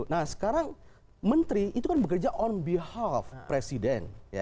nah sekarang menteri itu kan bekerja on behalf presiden